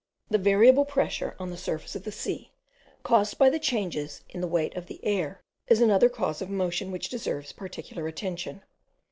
The variable pressure on the surface of the sea, caused by the changes in the weight of the air, is another cause of motion which deserves particular attention.